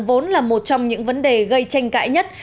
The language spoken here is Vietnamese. vốn là một trong những vấn đề gây tranh cãi nhất